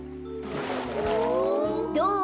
どう？